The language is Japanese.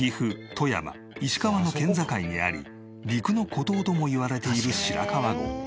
富山石川の県境にあり陸の孤島ともいわれている白川郷。